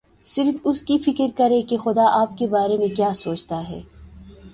صرف اس کی فکر کریں کہ خدا آپ کے بارے میں کیا سوچتا ہے۔